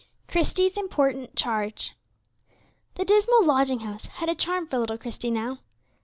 CHRISTIE'S IMPORTANT CHARGE. The dismal lodging house had a charm for little Christie now.